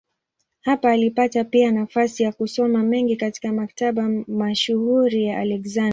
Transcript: Hapa alipata pia nafasi ya kusoma mengi katika maktaba mashuhuri ya Aleksandria.